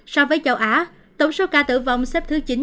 so với châu á tổng số ca tử vong xếp thứ chín